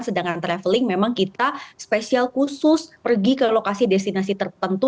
sedangkan traveling memang kita spesial khusus pergi ke lokasi destinasi tertentu